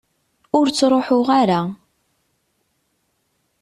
Ur ttruḥuɣ ara.